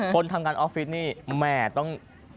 คนทำงานออฟฟิศนี่แม่ต้อง